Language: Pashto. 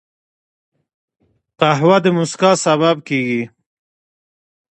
قهوه د مسکا سبب کېږي